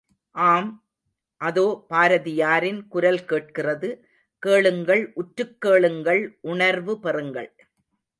ஆம் அதோ பாரதியாரின் குரல் கேட்கிறது, கேளுங்கள் உற்றுக் கேளுங்கள் உணர்வு பெறுங்கள்.